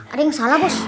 ada yang salah bos